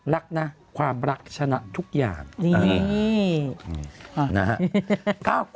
รักนะความรักชนะทุกอย่าง